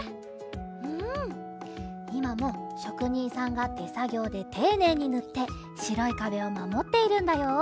うんいまもしょくにんさんがてさぎょうでていねいにぬってしろいかべをまもっているんだよ。